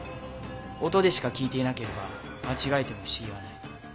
音でしか聞いていなければ間違えても不思議はない。